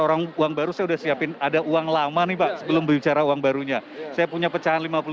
orang uang baru saya udah siapin ada uang lama nih pak sebelum berbicara uang barunya saya punya pecahan